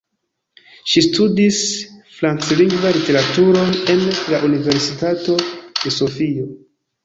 Ŝi studis Franclingva literaturon en la Universitato de Sofio.